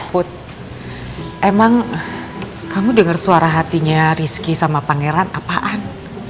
put emang kamu dengar suara hatinya rizky sama pangeran apaan